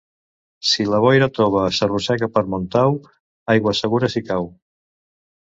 Si la boira tova s'arrossega pel Montau, aigua segura si cau.